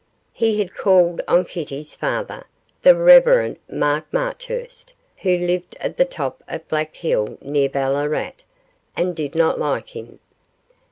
He had called on Kitty's father, the Rev. Mark Marchurst, who lived at the top of Black Hill, near Ballarat, and did not like him.